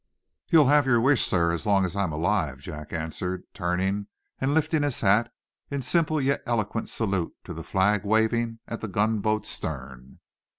"You'll have your wish, sir, as long as I'm alive," Jack answered, turning and lifting his hat in simple yet eloquent salute to the Flag waving at the gunboat's stern.